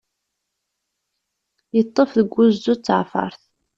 Iṭṭef deg wuzzu d tiɛfeṛt.